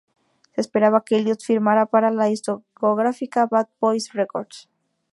Se esperaba que Elliott firmara para la discográfica "Bad Boys Records".